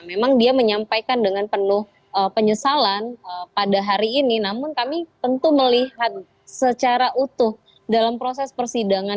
memang dia menyampaikan dengan penuh penyesalan pada hari ini namun kami tentu melihat secara utuh dalam proses persidangan